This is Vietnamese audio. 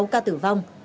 sáu ca tử vong